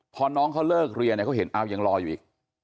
พอน้องเขาเลิกเรียนเนี่ยเขาเห็นอ้าวยังรออยู่อีก